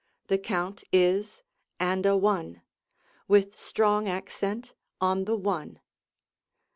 The count is "And a one," with strong accent on the "one."